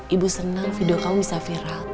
ibu senang video kamu bisa viral